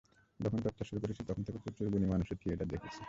যখন চর্চা শুরু করেছি, তখন থেকে প্রচুর গুণী মানুষের থিয়েটার দেখেছি।